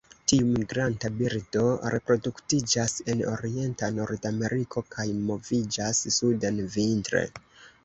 Tiu migranta birdo reproduktiĝas en orienta Nordameriko kaj moviĝas suden vintre.